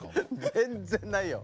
全然ないよ。